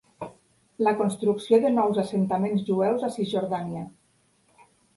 La construcció de nous assentaments jueus a Cisjordània.